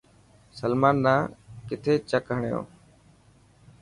سلمان نا ڪٿي چڪ هڻيو.